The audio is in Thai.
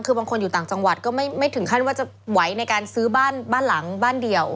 คือบางคนอยู่ต่างจังหวัดก็ไม่ถึงขั้นว่าจะไหวในการซื้อบ้านบ้านหลังบ้านเดียว